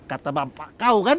kata bapak kau kan